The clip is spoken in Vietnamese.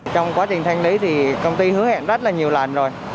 trong quá trình thanh lý thì công ty hứa hẹn rất là nhiều lần rồi